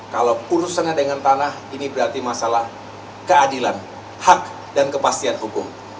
kalau urusannya dengan tanah ini berarti masalah keadilan hak dan kepastian hukum